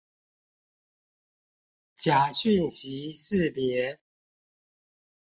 假訊息識別